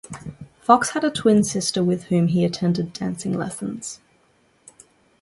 Fox had a twin sister with whom he attended dancing lessons.